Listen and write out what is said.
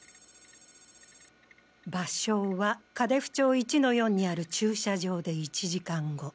場所はカデフ町１の４にある駐車場で１時間後。